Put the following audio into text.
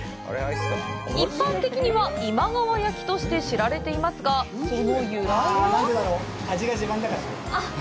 一般的には今川焼きとして知られていますがその由来は？